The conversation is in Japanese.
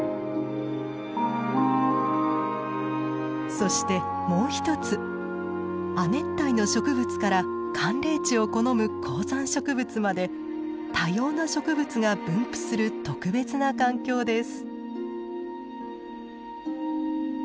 そしてもう一つ亜熱帯の植物から寒冷地を好む高山植物まで多様な植物が分布する特別な環境です。